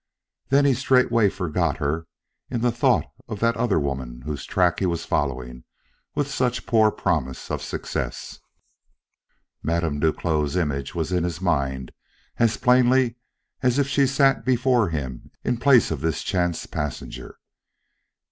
Then he straightway forgot her in the thought of that other woman whose track he was following with such poor promise of success. Madame Duclos' image was in his mind as plainly as if she sat before him in place of this chance passenger.